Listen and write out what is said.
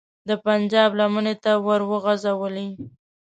د پنجاب لمنې ته وروغورځولې.